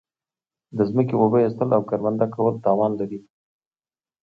د زمکی اوبه ویستل او کرونده کول تاوان لری